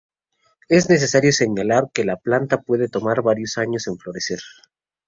Es necesario señalar que la planta puede tomar varios años en florecer.